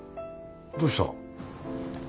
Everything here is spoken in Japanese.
どうした？